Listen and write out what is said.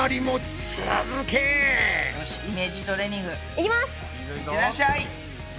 いってらっしゃい！